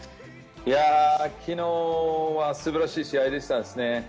昨日は素晴らしい試合でしたね。